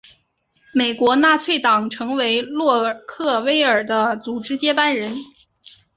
美国纳粹党成为洛克威尔的组织接班人。